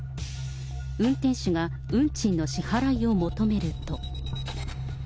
運転手が運賃の支払いを求めると。